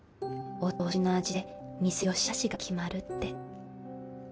お通しの味で店のよしあしが決まるって